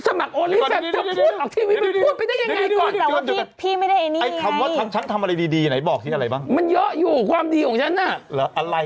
สมัครโอลี่แฟนพูดไปได้อย่างไรก่อนพี่ไม่ได้แบบนี้ไง